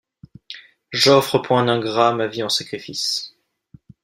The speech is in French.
J’offre pour un ingrat ma vie en sacrifice.